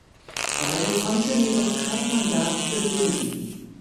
Beide konnten jedoch kein Mandat gewinnen.